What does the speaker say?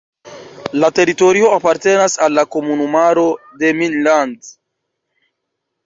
La teritorio apartenas al la komunumaro Demmin-Land.